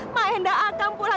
ma'e tidak akan pulang ke dia